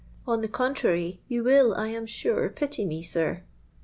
On the contrary, you will, I am sure, pity me, sir.'